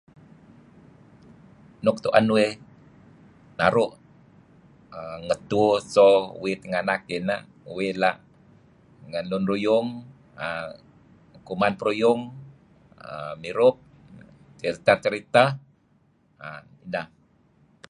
Nuk tuen uih naru' uhm ngetu so uih tinganak ineh uih la' ngen lun ruyung uhm kuman peruyung uhm mirup, ceri-cerita uhm deh.